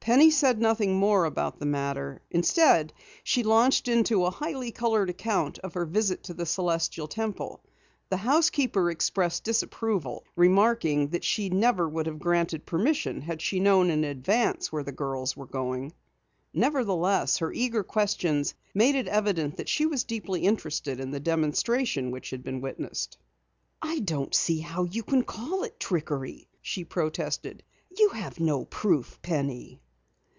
Penny said nothing more about the matter. Instead, she launched into a highly colored account of her visit to the Celestial Temple. The housekeeper expressed disapproval, remarking that she never would have granted permission had she known in advance where the girls were going. Nevertheless, her eager questions made it evident that she was deeply interested in the demonstration which had been witnessed. "I don't see how you can call it trickery," she protested. "You have no proof, Penny."